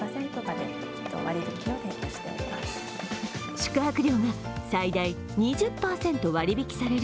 宿泊料が最大２０％割引きされる